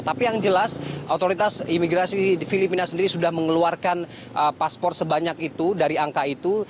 tapi yang jelas otoritas imigrasi filipina sendiri sudah mengeluarkan paspor sebanyak itu dari angka itu